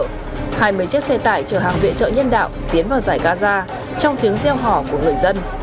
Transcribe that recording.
hai mươi chiếc xe tải chở hàng viện chợ nhân đạo tiến vào giải gaza trong tiếng rêu hỏ của người dân